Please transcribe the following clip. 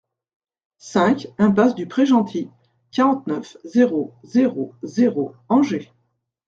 cinq iMPASSE DU PREGENTIL, quarante-neuf, zéro zéro zéro, Angers